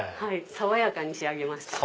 爽やかに仕上げました。